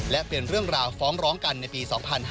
และเป็นเรื่องราวฟ้องร้องกันในปี๒๕๕๙